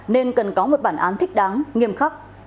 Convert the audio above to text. nên cần có một bản án thích đáng nghiêm khắc